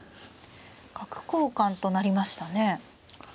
角交換となりましたね。